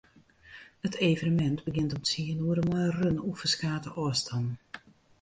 It evenemint begjint om tsien oere mei in run oer ferskate ôfstannen.